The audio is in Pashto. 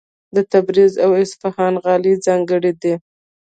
د تبریز او اصفهان غالۍ ځانګړې دي.